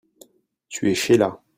Tu es Sheila.